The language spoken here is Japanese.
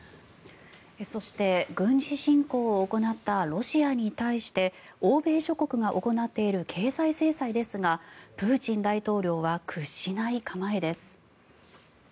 そして、軍事侵攻を行ったロシアに対して欧米諸国が行っている経済制裁ですがプーチン大統領は屈しない構えです。